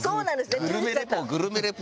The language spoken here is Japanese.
グルメリポグルメリポ！